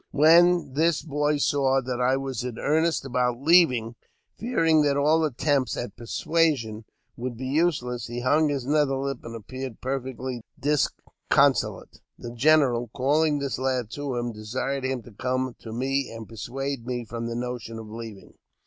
When this boy saw that I was in earnest about leaving, fearing that all attempts at persuasion would be useless, he hung his nether lip, and appeared perfectly disconsolate. The general, calUng this lad to him, desired him to come to me and persuade me from the notion of leaving.